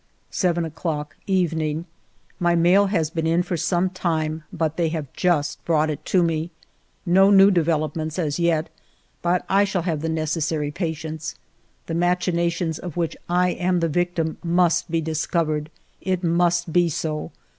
7 o'clock, evening. My mail has been in for some time, but they have just brought it to me. No new develop ments as yet ; but I shall have the necessary patience. The machinations of which I am the victim must be discovered ; it must be so.